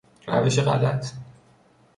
روش غلط